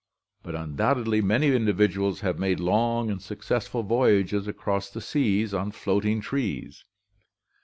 But undoubtedly many individuals have made long and successful voyages across the seas on floating trees [see page 60].